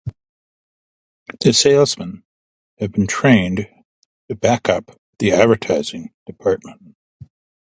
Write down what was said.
The salesmen have been trained to back up the advertising department.